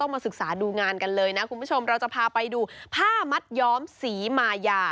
มาศึกษาดูงานกันเลยนะคุณผู้ชมเราจะพาไปดูผ้ามัดย้อมศรีมายา